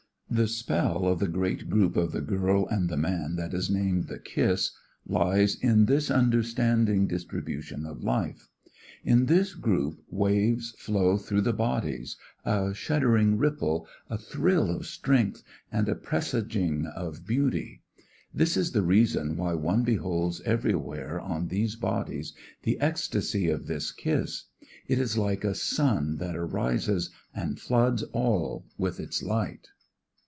The spell of the great group of the girl and the man that is named "The Kiss" lies in this understanding distribution of life. In this group waves flow through the bodies, a shuddering ripple, a thrill of strength, and a presaging of beauty. This is the reason why one beholds everywhere on these bodies the ecstacy of this kiss. It is like a sun that rises and floods all with its light.